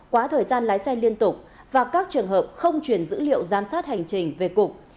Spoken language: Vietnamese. quá thời gian lái xe liên tục và các trường hợp không truyền dữ liệu giám sát hành trình về cục